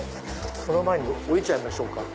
その前に降りちゃいましょうか。